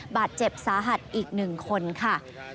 บาดเจ็บสาหัสอีก๑คนค่ะ